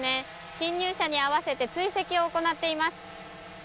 侵入者に合わせて追跡を行っています。